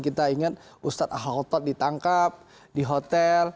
kita ingat ustadz ahtod ditangkap di hotel